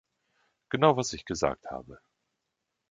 Genau was ich gesagt habe.